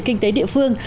kinh tế địa phương